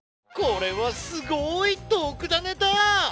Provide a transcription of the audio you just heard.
これはすごいとくダネだ！